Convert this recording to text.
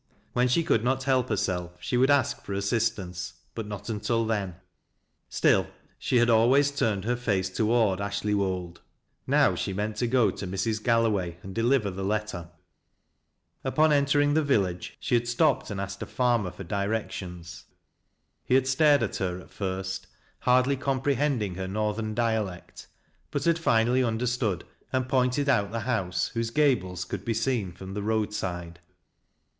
When she X)uld not help herself she would ask for assistance, but not until then. Still she had ulways turned her face to ward Ashley Wold. Now she meant to go to Mrs. Gallo !vay and deliver the letter. Upon entering the village she had stopped and asked • ASnLET WOLD. 269 farmer for directions. He had stared at her at first, hardly comprehending her northern dialect, but had finally understood and pointed out the house, whose gables could be seen from the road side.